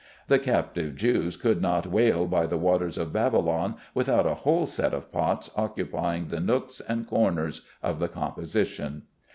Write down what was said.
The captive Jews could not wail by the waters of Babylon without a whole set of pots occupying the nooks and corners of the composition.